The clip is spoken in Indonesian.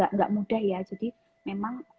tidak mudah ya jadi memang